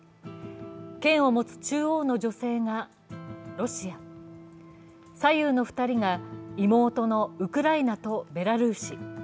剣を持つ中央の女性がロシア、左右の２人が妹のウクライナとベラルーシ。